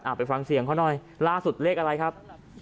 ไปฟังเสียงเขาหน่อยล่าสุดเลขอะไรครับ